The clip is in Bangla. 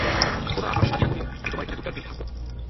গোরা আহার সারিয়া কহিল, আমি তোমার এখানে দু-চার দিন থাকব।